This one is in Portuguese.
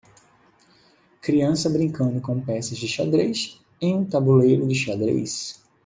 Criança brincando com peças de xadrez em um tabuleiro de xadrez.